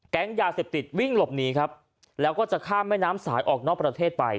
ยาเสพติดวิ่งหลบหนีครับแล้วก็จะข้ามแม่น้ำสายออกนอกประเทศไป